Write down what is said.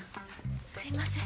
すいません。